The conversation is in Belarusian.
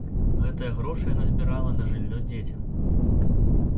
Гэтыя грошы яна збірала на жыллё дзецям.